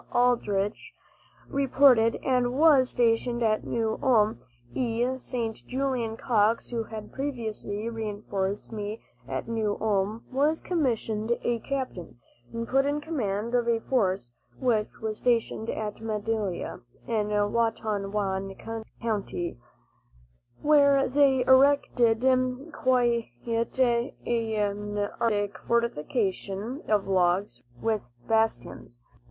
Aldrich, reported, and was stationed at New Ulm. E. St. Julien Cox, who had previously reinforced me at New Ulm, was commissioned a captain, and put in command of a force which was stationed at Madelia, in Watonwan county, where they erected quite an artistic fortification of logs, with bastions.